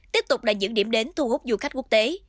tiếp tục là những điểm đến thu hút du khách quốc tế